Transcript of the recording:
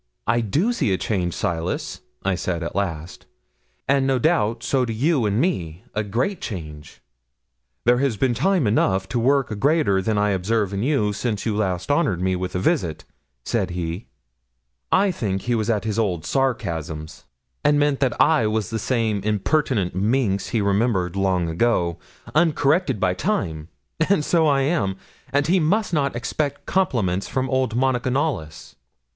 '"I do see a change, Silas," I said at last; "and, no doubt, so do you in me a great change." '"There has been time enough to work a greater than I observe in you since you last honoured me with a visit," said he. 'I think he was at his old sarcasms, and meant that I was the same impertinent minx he remembered long ago, uncorrected by time; and so I am, and he must not expect compliments from old Monica Knollys.